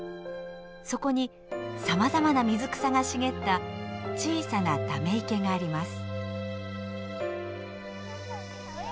そこにさまざまな水草が茂った小さなため池があります。